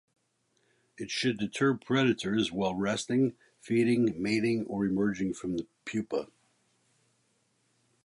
It should deter predators while resting, feeding, mating, or emerging from the pupa.